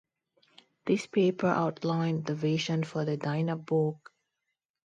This paper outlined the vision for the Dynabook.